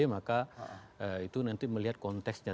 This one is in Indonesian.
maka itu nanti melihat konteksnya